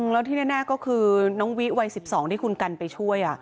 แล้วที่แน่ก็คือน้องวิวัย๑๒ที่คุณกันไปช่วย